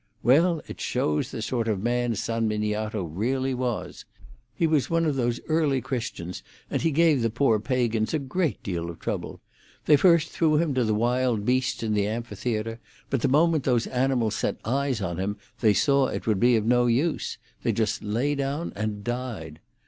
Well, it shows the sort of man San Miniato really was. He was one of the early Christians, and he gave the poor pagans a great deal of trouble. They first threw him to the wild beasts in the amphitheatre, but the moment those animals set eyes on him they saw it would be of no use; they just lay down and died.